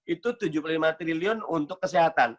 itu rp tujuh puluh lima triliun untuk kesehatan